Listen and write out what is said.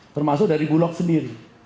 termasuk dari bulog sendiri